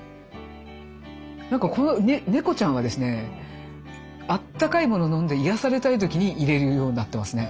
なんかこの猫ちゃんはですねあったかいもの飲んで癒やされたい時に入れるようになってますね。